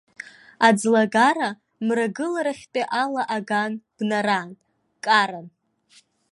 Аӡлагара мрагыларахьтәи ала аган бнаран, ккаран.